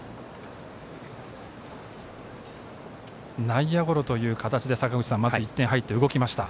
内野ゴロという形でまず１点入って動きました。